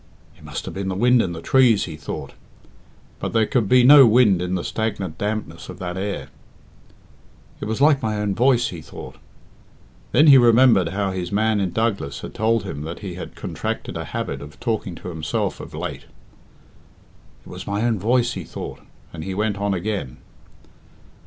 "It must have been the wind in the trees," he thought; but there could be no wind in the stagnant dampness of that air. "It was like my own voice," he thought. Then he remembered how his man in Douglas had told him that he had contracted a habit of talking to himself of late. "It was my own voice," he thought, and he went on again.